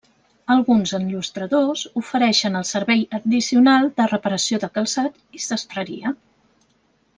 Alguns enllustradors ofereixen el servei addicional de reparació de calçat i sastreria.